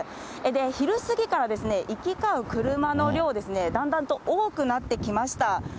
昼過ぎから行き交う車の量、だんだんと多くなってきました。